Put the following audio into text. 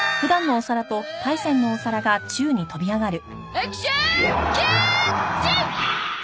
アクショーンキャーッチ！